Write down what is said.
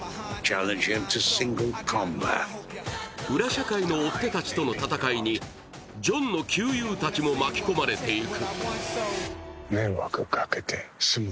裏社会の追っ手たちとの戦いに、ジョンの旧友たちも巻き込まれていく。